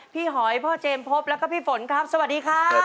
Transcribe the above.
พี่หอยพ่อเจมส์พบแล้วก็พี่ฝนครับสวัสดีครับสวัสดีครับ